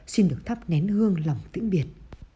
xin được thắp nén hương lòng tỉnh biệt